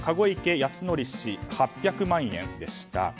泰典氏、８００万円でした。